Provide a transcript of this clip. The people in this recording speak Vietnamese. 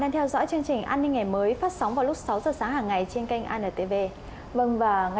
tại địa phương